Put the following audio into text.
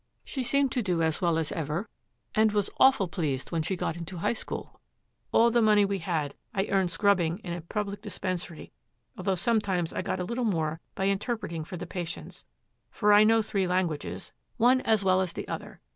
She seemed to do as well as ever and was awful pleased when she got into High School. All the money we had, I earned scrubbing in a public dispensary, although sometimes I got a little more by interpreting for the patients, for I know three languages, one as well as the other.